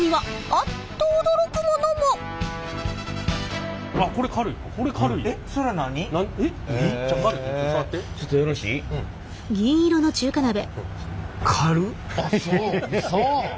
あっそう。